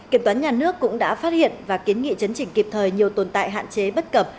kiểm toán nhà nước cũng đã phát hiện và kiến nghị chấn chỉnh kịp thời nhiều tồn tại hạn chế bất cập